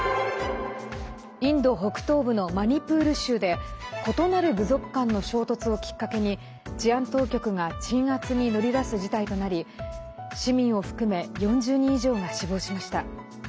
インド北東部のマニプール州で異なる部族間の衝突をきっかけに治安当局が鎮圧に乗り出す事態となり市民を含め４０人以上が死亡しました。